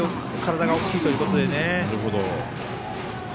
体が大きいということでね。